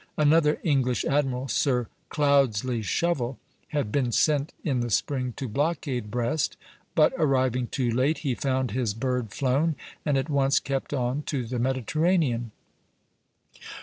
Another English admiral, Sir Cloudesley Shovel, had been sent in the spring to blockade Brest; but arriving too late, he found his bird flown, and at once kept on to the Mediterranean.